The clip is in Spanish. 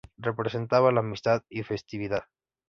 Representaba la amistad y festividad.